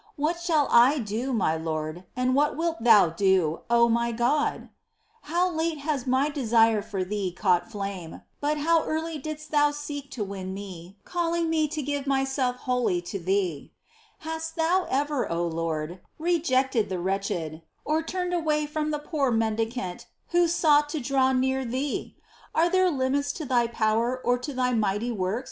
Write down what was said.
What shall I do, my Lord, and what wilt Thou do, O my God ? 2. How late has my desire for Thee caught flame, but how early didst Thou seek to win me, calling me to give myself wholly to Thee !^ Hast thou ever, O Lord, rejected the wretched, or turned away from the poor mendicant who sought to draw near Thee ? Are there limits to Thy power, or to Thy mighty works ? 1 Rel. ix. 19.